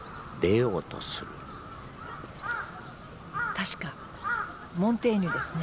確かモンテーニュですね。